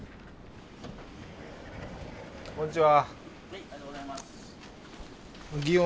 こんにちは。